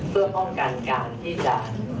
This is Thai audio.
เพื่อป้องกันการที่จะ